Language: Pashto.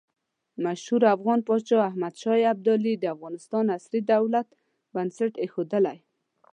مشهور افغان پاچا احمد شاه ابدالي د افغانستان عصري دولت بنسټ ایښودلی.